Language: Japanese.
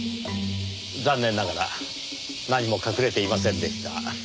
残念ながら何も隠れていませんでした。